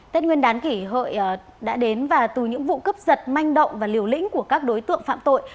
tết nguyên đán kỷ hợi đã đến và từ những vụ cướp giật manh động và liều lĩnh của các đối tượng phạm tội